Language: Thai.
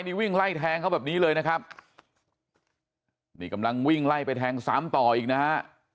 นี่วิ่งไล่แทงเขาแบบนี้เลยนะครับนี่กำลังวิ่งไล่ไปแทงซ้ำต่ออีกนะฮะ